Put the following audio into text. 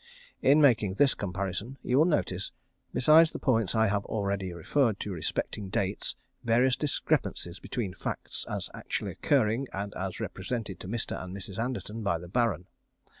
In making this comparison you will notice, besides the points I have already referred to respecting dates, various discrepancies between facts as actually occurring and as represented to Mr. and Mrs. Anderton by the Baron.